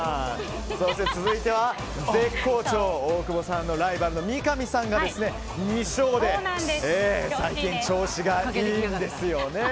そして続いては絶好調大久保さんのライバルの三上さんが２勝で最近調子がいいんですよね。